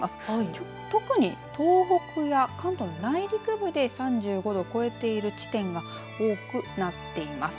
きょう特に東北や関東の内陸部で３５度超えている地点が多くなっています。